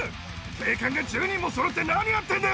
警官が１０人もそろって何やってんだよ。